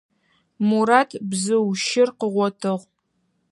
Мурат бзыу щыр къыгъотыгъ.